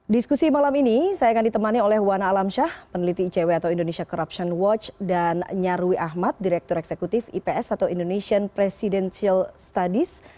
diskusi malam ini saya akan ditemani oleh wana alamsyah peneliti icw atau indonesia corruption watch dan nyarwi ahmad direktur eksekutif ips atau indonesian presidential studies